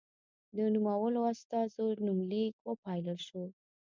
د نومولو استازو نومليک وپايلل شو.